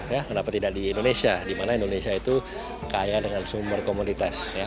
kenapa tidak di indonesia di mana indonesia itu kaya dengan sumber komoditas